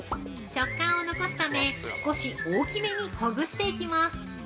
◆食感を残すため少し大きめにほぐしていきます。